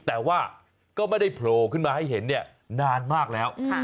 แต่ว่าก็ไม่ได้โผล่ขึ้นมาให้เห็นเนี่ยนานมากแล้ว